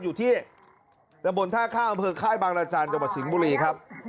อยู่ที่ตะบนท่าข้ามอำเภอค่ายบางราจันทร์จังหวัดสิงห์บุรีครับ